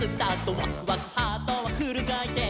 「ワクワクハートはフルかいてん」